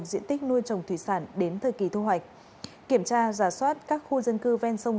diện tích nuôi trồng thủy sản đến thời kỳ thu hoạch kiểm tra giả soát các khu dân cư ven sông